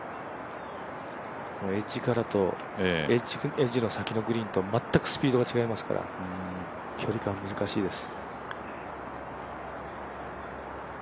エッジの先のグリーンと全くスピード違いますから距離感難しいです。